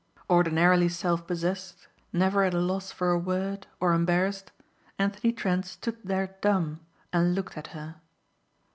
Ordinarily self possessed, never at a loss for a word or embarrassed, Anthony Trent stood there dumb and looked at her.